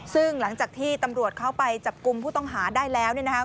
ซึ่งหลังจากที่ตำรวจเข้าไปจับกุมผู้ต้องหาได้แล้ว